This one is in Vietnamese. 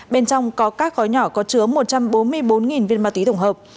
bên trong có các gói nhỏ có chứa một trăm bốn mươi bốn viên ma túy tổng hợp